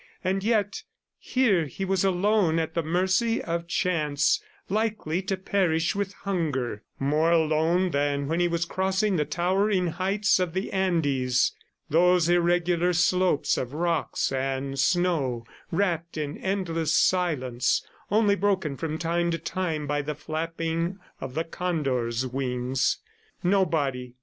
And yet here he was alone at the mercy of chance, likely to perish with hunger more alone than when he was crossing the towering heights of the Andes those irregular slopes of rocks and snow wrapped in endless silence, only broken from time to time by the flapping of the condor's wings. Nobody.